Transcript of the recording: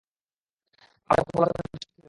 আমাদের পক্ষে বলার জন্য একজন সাক্ষী দরকার।